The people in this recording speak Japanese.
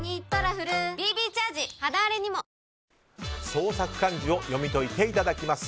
創作漢字を読み解いていただきます。